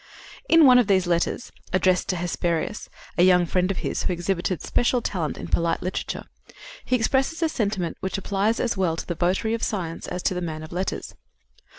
In one of these letters, addressed to Hesperius, a young friend of his who exhibited special talent in polite literature, he expresses a sentiment which applies as well to the votary of science as to the man of letters.